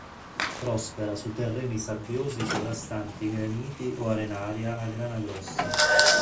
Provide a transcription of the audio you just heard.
Prospera su terreni sabbiosi sovrastanti graniti o arenaria a grana grossa.